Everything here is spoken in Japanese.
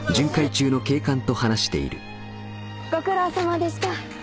ご苦労さまでした。